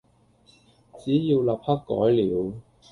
只要立刻改了，